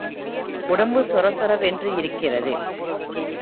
உடம்பு சொர சொரவென்று இருக்கிறது.